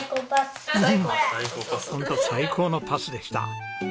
ホント最高のパスでした。